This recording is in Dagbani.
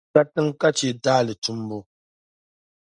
Niŋmi katiŋa ka chɛ taali tumbu.